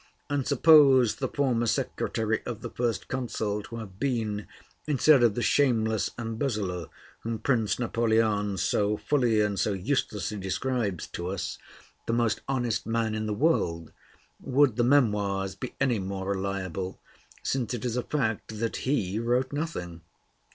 and suppose the former secretary of the First Consul to have been, instead of the shameless embezzler whom Prince Napoleon so fully and so uselessly describes to us, the most honest man in the world, would the 'Memoirs' be any more reliable, since it is a fact that he wrote nothing?